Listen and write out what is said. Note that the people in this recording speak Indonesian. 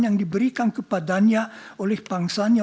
yang diberikan kepadanya oleh bangsanya